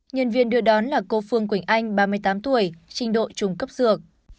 nhân viên đưa đón là cô phương quỳnh anh ba mươi tám tuổi trình độ trùng cấp dược